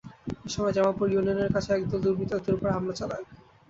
এ সময় জামালপুর ইউনিয়নের কাছে একদল দুর্বৃত্ত তাঁদের ওপর হামলা চালায়।